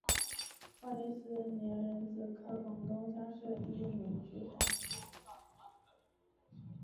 万历四十年壬子科广东乡试第一名举人。